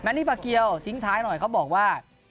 อันนี้ปากเกียวทิ้งท้ายหน่อยเขาบอกว่า